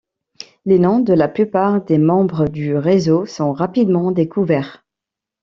Les noms de la plupart des membres du réseaux sont rapidement découverts.